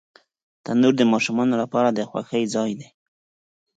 تنور د ماشومانو لپاره د خوښۍ ځای دی